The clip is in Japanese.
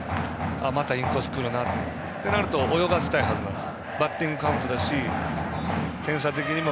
またインコース来るなとなると泳がせたいはずなんです。